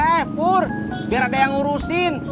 eh pur biar ada yang ngurusin